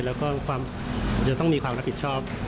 ขึ้นตันด้วยและก็จะต้องมีความรับผิดชอบ